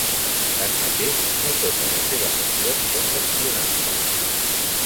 Tanmateix, no totes les seves accions són d'espionatge.